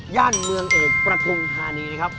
ย่านเมืองเอกประทุมธานีครับ